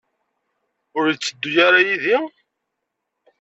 Ur yetteddu ara yid-i?